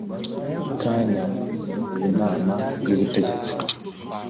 kanya Inama y Ubutegetsi